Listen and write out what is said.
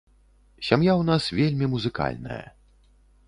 Сям'я ў нас вельмі музыкальная.